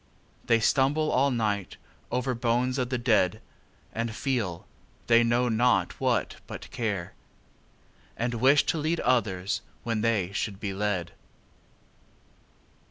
They stumble all night over bones of the dead; And feelâthey know not what but care; And wish to lead others, when they should be led.